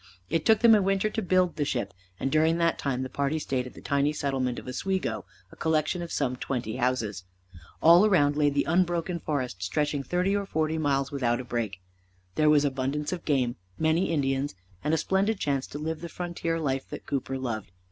It took them a winter to build the ship, and during that time the party stayed at the tiny settlement of Oswego, a collection of some twenty houses. All around lay the unbroken forest stretching thirty or forty miles without a break. There was abundance of game, many Indians, and a splendid chance to live the frontier life that Cooper loved.